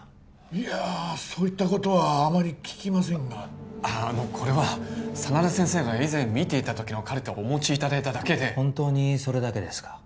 いやあそういったことはあまり聞きませんがあのこれは真田先生が以前診ていた時のカルテをお持ちいただいただけで本当にそれだけですか？